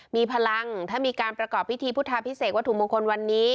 มีพลังถ้ามีการประกอบพิธีพุทธาพิเศษวัตถุมงคลวันนี้